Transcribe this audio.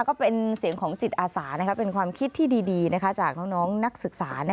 ก็เป็นเสียงของจิตอาสาเป็นความคิดที่ดีจากน้องนักศึกษา